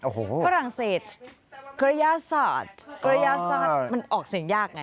โอ้โฮฝรั่งเศสกรยาศาสตร์มันออกเสียงยากไง